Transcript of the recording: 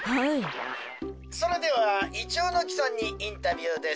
それでは銀杏のきさんにインタビューです。